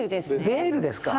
ベールですか。